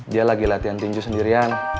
dia lagi latihan tinju sendirian